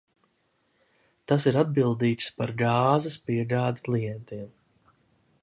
Tas ir atbildīgs par gāzes piegādi klientiem.